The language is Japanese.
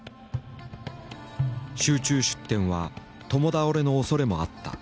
集中出店は共倒れのおそれもあった。